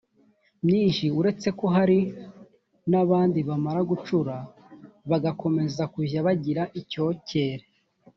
myinshi uretse ko hari n abandi bamara gucura bagakomeza kujya bagira icyokere